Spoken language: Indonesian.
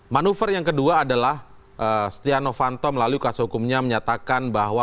manuver yang kedua adalah stiano fanto melalui kasus hukumnya menyatakan bahwa